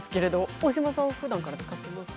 大島さんはふだんから使っていますか？